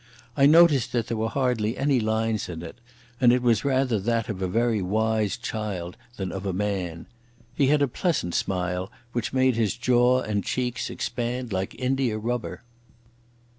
I noticed that there were hardly any lines on it, and it was rather that of a very wise child than that of a man. He had a pleasant smile which made his jaw and cheeks expand like indiarubber.